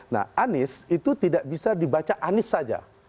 nah anies itu tidak bisa dibaca anies saja